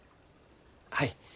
はい。